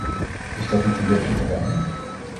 Is dat niet een beetje te weinig?